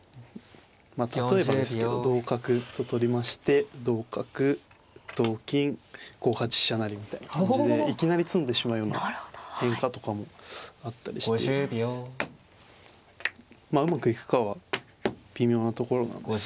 まあ例えばですけど同角と取りまして同角同金５八飛車成みたいな感じでいきなり詰んでしまうような変化とかもあったりしてまあうまくいくかは微妙なところなんですが。